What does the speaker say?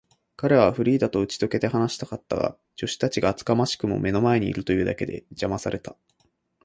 彼はフリーダとうちとけて話したかったが、助手たちが厚かましくも目の前にいるというだけで、じゃまされた。